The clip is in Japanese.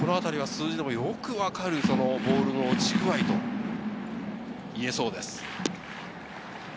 数字でもよく分かるボールの落ち具合と言えそうです。